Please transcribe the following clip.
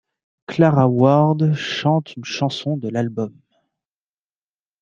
Clara Ward chante une chanson de l'album.